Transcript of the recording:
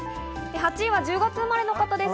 ８位は１０月生まれの方です。